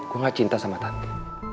gue gak cinta sama tante